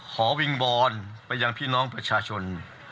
วิงวอนไปยังพี่น้องประชาชน